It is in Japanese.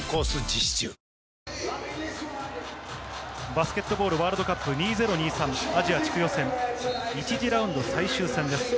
バスケットボールワールドカップ２０２３、アジア地区予選、１次ラウンド最終戦です。